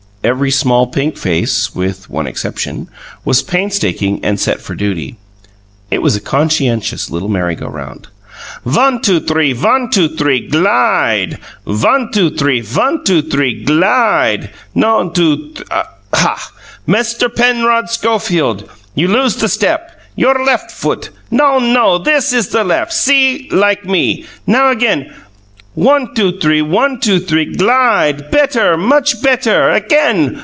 Every small pink face with one exception was painstaking and set for duty. It was a conscientious little merry go round. "One two three; one two three glide! One two three; one two three glide! One two th Ha! Mister Penrod Schofield, you lose the step. Your left foot! No, no! This is the left! See like me! Now again! One two three; one two three glide! Better! Much better! Again!